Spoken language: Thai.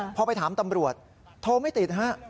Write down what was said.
พอไปถามตำรวจโทรไม่ติดฮะ